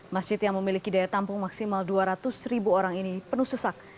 masjid yang memiliki daya tampung maksimal dua ratus ribu orang ini penuh sesak